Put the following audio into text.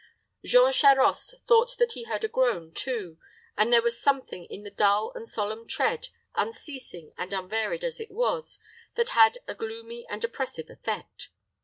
Jean Charost thought that he heard a groan too, and there was something in the dull and solemn tread, unceasing and unvaried as it was, that had a gloomy and oppressive effect.